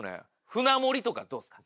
舟盛りとかどうっすか？